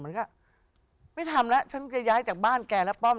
มันก็ไม่ทำแล้วฉันจะย้ายจากบ้านแกแล้วป้อม